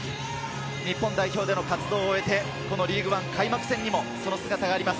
日本代表での活動を終えてリーグワン開幕戦にもその姿があります。